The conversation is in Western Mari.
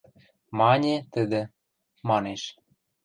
– Мане, тӹдӹ, – манеш.